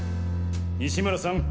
西村さん